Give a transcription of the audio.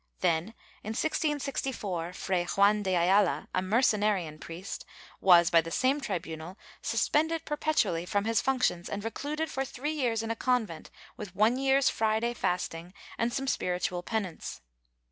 Then, in 1664, Fray Juan de Ayala, a Mercenarian priest, was, by the same tri bunal, suspended perpetually from his functions and recluded for three years in a convent with one year's Friday fasting and some spiritual penance.